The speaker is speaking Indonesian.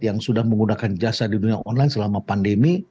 yang sudah menggunakan jasa di dunia online selama pandemi